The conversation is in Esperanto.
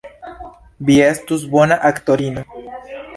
Vi estus bona aktorino.